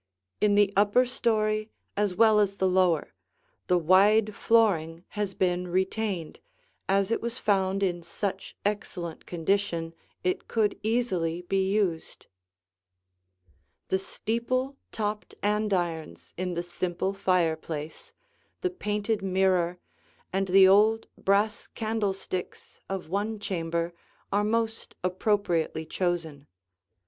In the upper story as well as the lower, the wide flooring has been retained, as it was found in such excellent condition it could easily be used. [Illustration: Two Noteworthy Chambers] The steeple topped andirons in the simple fireplace, the painted mirror, and the old brass candlesticks of one chamber are most appropriately chosen.